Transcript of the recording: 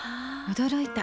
驚いた。